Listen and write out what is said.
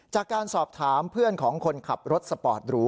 จากการสอบถามเพื่อนของคนขับรถสปอร์ตหรู